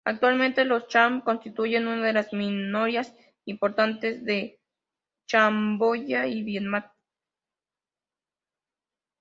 Actualmente, los cham constituyen una de las minorías importantes en Camboya y Vietnam.